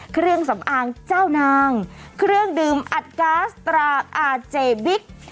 เครื่องสำอางเจ้านางเครื่องดื่มอัดก๊าซตราอาเจบิ๊ก